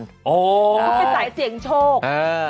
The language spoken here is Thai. ก็ไปสายเสียงโชค